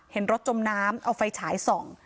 เห็นรถจมน้ำเอาไฟฉายส่อง